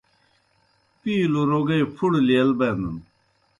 پِیلوْ روگے پُھڑہ لیل بینَن۔